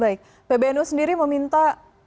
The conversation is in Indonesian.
baik pbno sendiri meminta